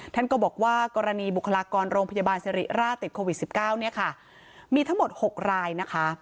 ท่านก็บอกว่ากรณีบุคลากรโรงพยาบาลสิริราชติดโควิด๑๙เนี่ยค่ะมีทั้งหมด๖รายนะคะ